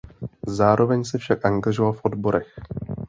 Zároveň se však angažoval v odborech.